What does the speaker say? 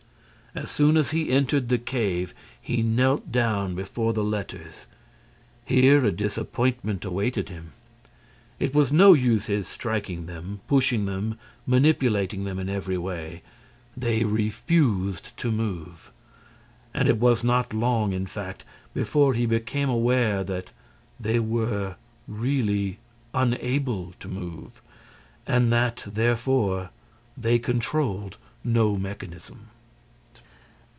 As soon as he entered the cave, he knelt down before the letters. Here a disappointment awaited him. It was no use his striking them, pushing them, manipulating them in every way: they refused to move. And it was not long, in fact, before he became aware that they were really unable to move and that, therefore, they controlled no mechanism.